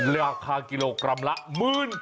ราคากิโลกรัมละหมื่น